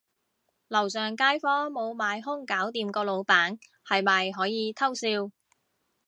樓上街坊無買兇搞掂個老闆，係咪可以偷笑